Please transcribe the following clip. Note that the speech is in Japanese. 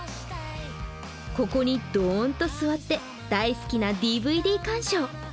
ここにドンと座って大好きなＤＶＤ鑑賞。